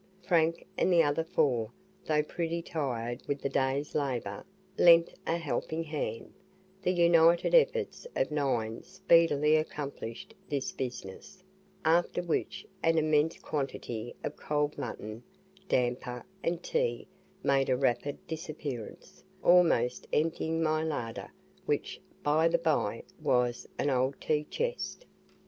Frank and the other four, though pretty tired with the days labour, lent a helping hand, the united efforts of nine speedily accomplished this business, after which an immense quantity of cold mutton, damper, and tea made a rapid disappearance, almost emptying my larder, which, by the bye, was an old tea chest.